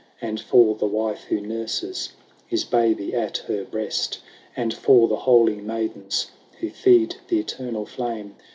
And for the wife who nurses His baby at her breast. And for the holy maidens Who feed the eternal flame.